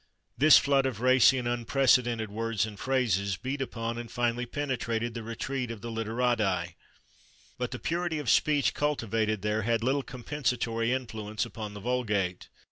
This flood of racy and unprecedented words and phrases beat upon and finally penetrated the retreat of the /literati/, but the purity of speech cultivated there had little compensatory influence upon the vulgate.